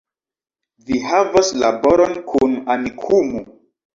Vi havos laboron kun Amikumu